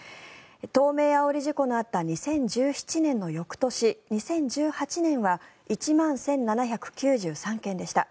東名あおり運転のあった２０１７年の翌年２０１８年は１万１７９３件でした。